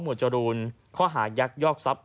จรูนข้อหายักยอกทรัพย